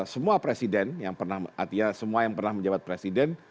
semua presiden yang pernah artinya semua yang pernah menjabat presiden